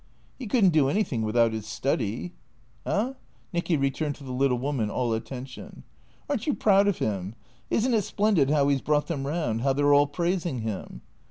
"' E could n't do anything without 'is study." " Ah ?" Nicky returned to the little woman, all attention. " Are n't you proud of him ? Is n't it splendid how he 's brought them round ? How they 're all praising him